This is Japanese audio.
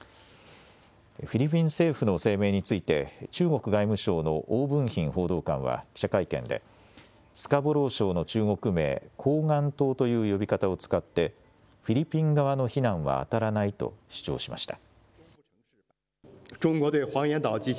フィリピン政府の声明について中国外務省の汪文斌報道官は記者会見でスカボロー礁の中国名、黄岩島という呼び方を使ってフィリピン側の非難はあたらないと主張しました。